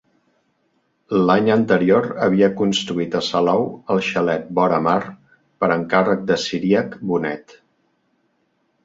L'any anterior havia construït a Salou el Xalet Vora Mar per encàrrec de Ciríac Bonet.